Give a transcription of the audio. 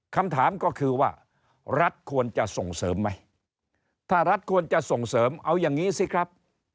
คำถามก็คือว่ารัฐควรจะส่งเสริมไหมถ้ารัฐควรจะส่งเสริมเอาอย่างนี้สิครับ